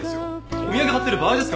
お土産買ってる場合ですか？